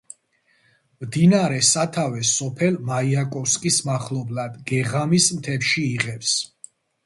მდინარე სათავეს სოფელ მაიაკოვსკის მახლობლად, გეღამის მთებში იღებს.